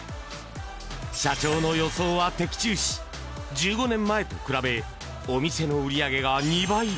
社長の予想は的中し１５年前と比べお店の売り上げが２倍。